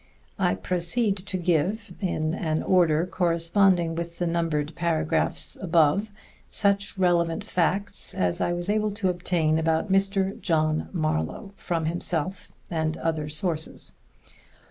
I proceed to give, in an order corresponding with the numbered paragraphs above, such relevant facts as I was able to obtain about Mr. John Marlowe, from himself and other sources.